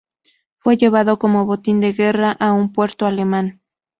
Fue llevado como botín de guerra a un puerto alemán.